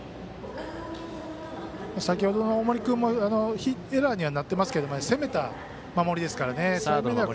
先ほどの大森君もエラーにはなってますけど攻めた守りですから。